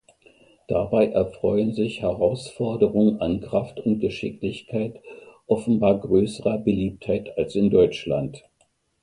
Dabei erfreuen sich Herausforderungen an Kraft und Geschicklichkeit offenbar größerer Beliebtheit als in Deutschland.